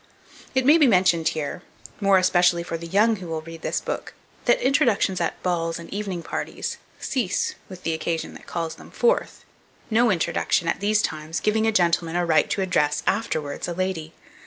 It may be mentioned here, more especially for the young who will read this book, that introductions at balls or evening parties, cease with the occasion that calls them forth, no introduction, at these times, giving a gentleman a right to address, afterwards, a lady.